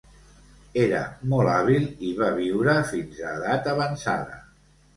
Era molt hàbil i va viure fins edat avançada.